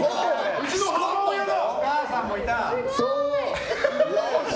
うちの母親だ！